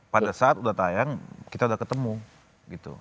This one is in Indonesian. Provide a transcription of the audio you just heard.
pada saat sudah tayang kita sudah ketemu